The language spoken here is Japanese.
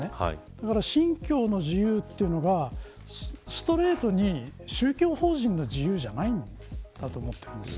だから信教の自由というのはストレートに宗教法人の自由じゃないと思ってるんです。